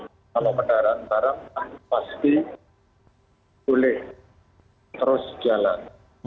kalau kendaraan arab pasti boleh terus jalan